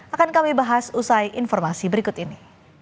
akan kami bahas usai informasi berikut ini